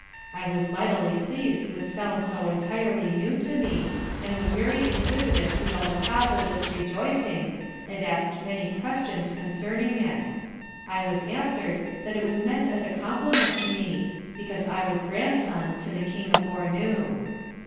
I was mightily pleas'd with sounds so entirely new to me, and was very inquisitive to know the cause of this rejoicing, and ask'd many questions concerning it: I was answer'd that it was meant as a compliment to me, because I was Grandson to the King of Bournou.